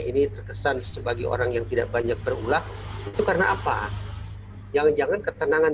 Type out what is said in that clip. ini terkesan sebagai orang yang tidak banyak berulang itu karena apa jangan jangan ketenangan